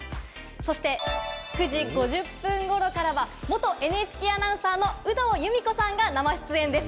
そして９時５０分頃、元ＮＨＫアナウンサーの有働由美子さんが生出演です。